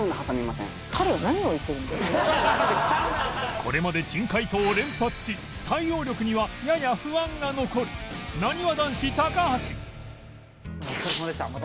これまで珍回答を連発し対応力にはやや不安が残るお疲れさまでした。